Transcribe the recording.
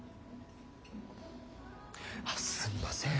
あっすみません。